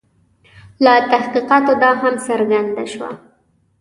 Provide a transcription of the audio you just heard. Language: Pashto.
له تحقیقاتو دا هم څرګنده شوه.